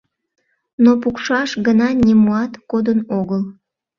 Но пукшаш гына нимоат кодын огыл.